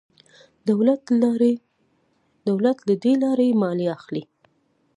دولت له دې لارې مالیه اخلي.